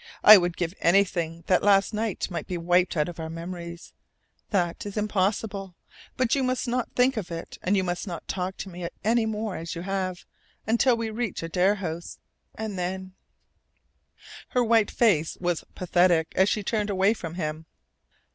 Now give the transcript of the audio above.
I would give anything that last night might be wiped out of our memories. That is impossible, but you must not think of it and you must not talk to me any more as you have, until we reach Adare House. And then " Her white face was pathetic as she turned away from him.